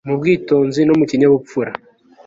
mu bwitonzi no mu kinyabupfura